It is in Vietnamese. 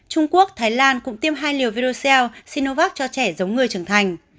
trung quốc thái lan cũng tiêm hai liều virus sinovac cho trẻ giống người trưởng thành